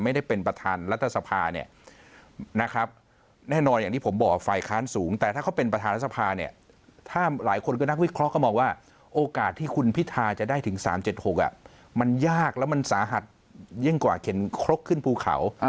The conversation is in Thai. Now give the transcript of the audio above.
มันยากและมันสาหัสยิ่งกว่าเข็นครกขึ้นภูเขา